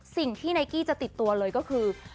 สิ่งที่นายกี้จะติดตัวเลยก็คือ